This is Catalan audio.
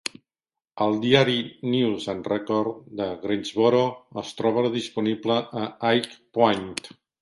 El diari "News and Record" de Greensboro es troba disponible a High Point.